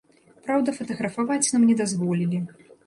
Праўда, фатаграфаваць нам не дазволілі.